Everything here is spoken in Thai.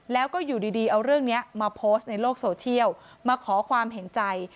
แล้วก็อยู่ดีเอาเรื่องนี้มาโพสต์ในโลกโซเชียลมาขอความเห็นใจ